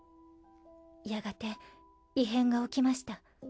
やがて異変が起きました。